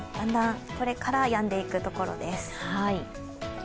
これからやんでいくところです。